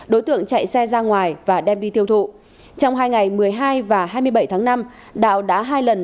đối tượng chạy xe ra ngoài và đem đi tiêu thụ trong hai ngày một mươi hai và hai mươi bảy tháng năm đạo đã hai lần